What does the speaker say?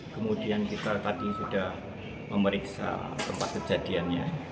kemudian kita tadi sudah memeriksa tempat kejadiannya